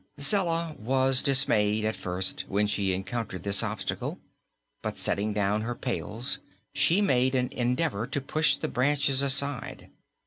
Zella was dismayed, at first, when she encountered this obstacle, but setting down her pails she made an endeavor to push the branches aside.